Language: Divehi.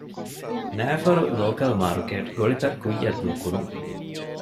ނައިފަރު ލޯކަލް މާރުކޭޓް ގޮޅިތައް ކުއްޔަށް ދޫކުރުން